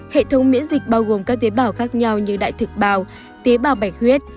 hệ thống miễn dịch bao gồm các tế bào khác nhau như đại thực bào tế bào bạch huyết